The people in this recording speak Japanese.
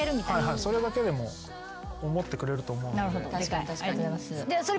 それだけでも思ってくれると思うんで。